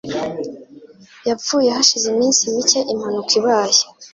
yapfuye hashize iminsi mike impanuka ibaye.